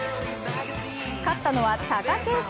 勝ったのは、貴景勝。